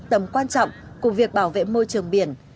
tầm quan trọng của việc bảo vệ môi trường biển